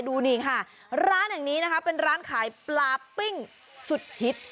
ดูนี่ค่ะร้านแห่งนี้นะคะเป็นร้านขายปลาปิ้งสุดฮิต